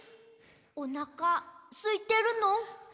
おなかすいてるの？